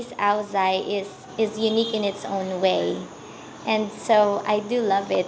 các quốc gia tôi biết